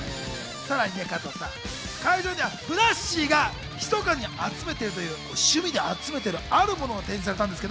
さらに会場には、ふなっしーがひそかに集めているという、趣味で集めている、あるものが展示されているんです。